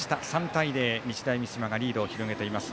３対０、日大三島がリードを広げています。